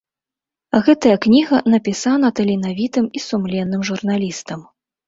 Гэтая кніга напісана таленавітым і сумленным журналістам.